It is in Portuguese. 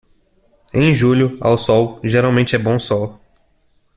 Em julho, ao sol, geralmente é bom sol.